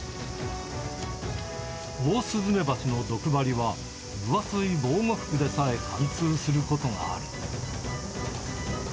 オオスズメバチの毒針は、分厚い防護服でさえ貫通することがある。